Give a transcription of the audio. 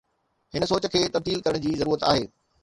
هن سوچ کي تبديل ڪرڻ جي ضرورت آهي.